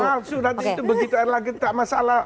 palsu nanti begitu lagi tidak masalah